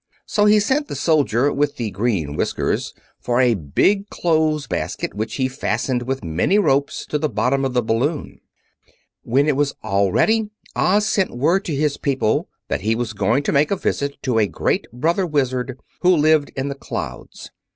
So he sent the soldier with the green whiskers for a big clothes basket, which he fastened with many ropes to the bottom of the balloon. When it was all ready, Oz sent word to his people that he was going to make a visit to a great brother Wizard who lived in the clouds.